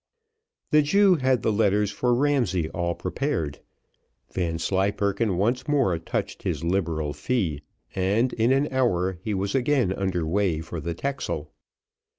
The Jew had the letters for Ramsay all prepared. Vanslyperken once more touched his liberal fee, and, in an hour, he was again under way for the Texel.